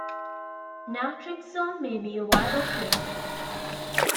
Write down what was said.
Naltrexone may be a viable treatment.